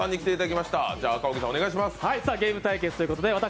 ゲーム対決ということで私